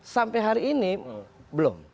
sampai hari ini belum